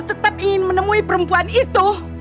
kalau kamu ingin menemui perempuan itu